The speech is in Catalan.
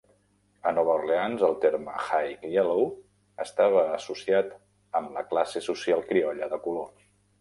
A Nova Orleans, el terme "high yellow" estava associat amb la classe social criolla de color.